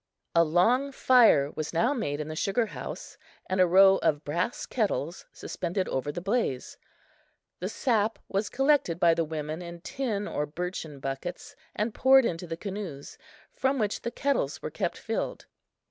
A long fire was now made in the sugar house, and a row of brass kettles suspended over the blaze. The sap was collected by the women in tin or birchen buckets and poured into the canoes, from which the kettles were kept filled.